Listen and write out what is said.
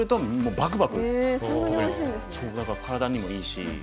そう体にもいいし。